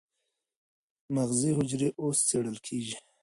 مغزي حجرې اوس څېړل کېږي.